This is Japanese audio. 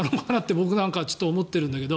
僕なんかは思ってるんだけど。